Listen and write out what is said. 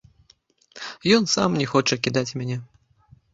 Ён сам не хоча кідаць мяне.